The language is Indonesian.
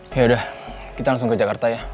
ya udah kita langsung ke jakarta ya